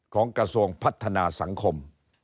กระทรวงพัฒนาสังคม